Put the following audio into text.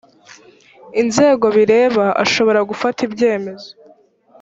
inzego bireba ashobora gufata ibyemezo